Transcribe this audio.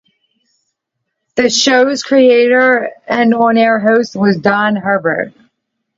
The show's creator and on-air host was Don Herbert.